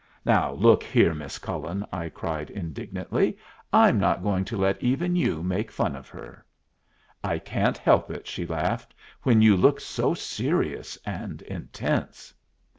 "Now look here, Miss Cullen," I cried, indignantly, "I'm not going to let even you make fun of her." "I can't help it," she laughed, "when you look so serious and intense."